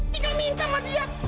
tinggal minta sama dia